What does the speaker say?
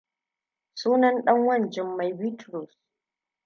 Sunan ɗan wan Jummai Bitrus.